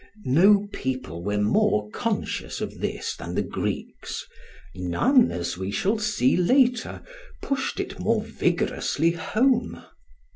No people were more conscious of this than the Greeks, none, as we shall see later, pushed it more vigorously home.